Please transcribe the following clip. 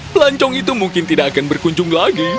pelancong itu mungkin tidak akan berkunjung lagi